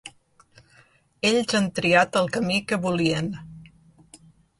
Ells han triat el camí que volien.